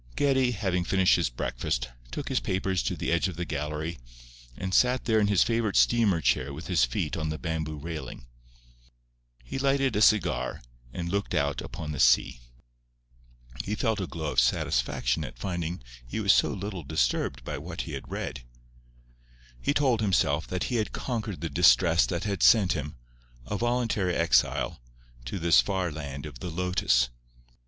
Geddie, having finished his breakfast, took his papers to the edge of the gallery, and sat there in his favourite steamer chair with his feet on the bamboo railing. He lighted a cigar, and looked out upon the sea. He felt a glow of satisfaction at finding he was so little disturbed by what he had read. He told himself that he had conquered the distress that had sent him, a voluntary exile, to this far land of the lotus.